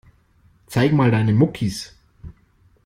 Zeig mal deine Muckis.